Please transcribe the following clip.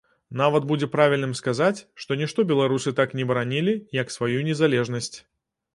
Нават будзе правільным сказаць, што нішто беларусы так не баранілі, як сваю незалежнасць.